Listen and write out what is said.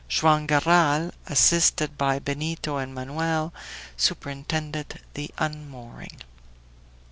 Joam Garral, assisted by Benito and Manoel, superintended the unmooring.